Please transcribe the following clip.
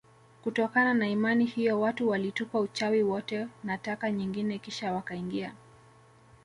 Kutokana na imani hiyo watu walitupa uchawi wote na taka nyingine kisha wakaingia